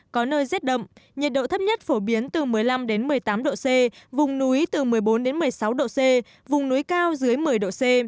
có nơi rét đậm nhiệt độ thấp nhất phổ biến từ một mươi năm một mươi tám độ c vùng núi từ một mươi bốn một mươi sáu độ c vùng núi cao dưới một mươi độ c